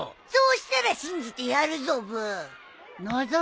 そうしたら信じてやるぞブー。